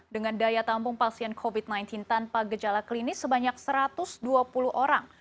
dengan daya tampung pasien covid sembilan belas tanpa gejala klinis sebanyak satu ratus dua puluh orang